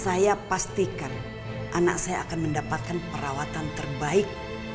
saya pastikan anak saya akan mendapatkan perawatan terbaik